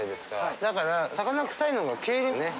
だから魚臭いのが消えるよね。